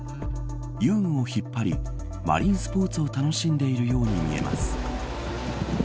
遊具を引っ張りマリンスポーツを楽しんでいるように見えます。